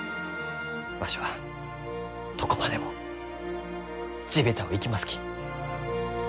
わしはどこまでも地べたを行きますき。